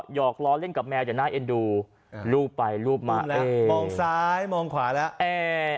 หยอกล้อเล่นกับแมวอย่างน่าเอ็นดูอ่ารูปไปรูปมาเอ้ยมองซ้ายมองขวาแล้วเอ่ย